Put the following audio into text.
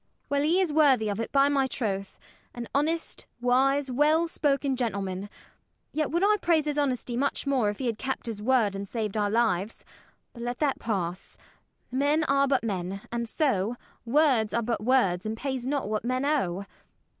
DOLL. Well is he worthy of it, by my troth, An honest, wise, well spoken gentleman; Yet would I praise his honesty much more, If he had kept his word, and saved our lives: But let that pass; men are but men, and so Words are but words, and pays not what men owe.